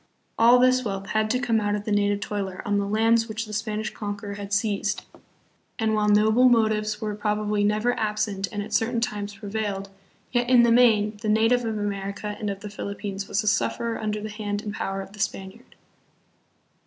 All this wealth had to come out of the native toiler on the lands which the Spanish conqueror had seized; and while noble SPANISH SOLDIER AND MISSIONARY. Ill motives were probably never absent and at certain times prevailed, yet in the main the native of America and of the Philippines was a sufferer under the hand and power of the Spaniard.